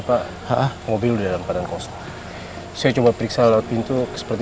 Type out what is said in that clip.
tapi kenapa juga biasa platinum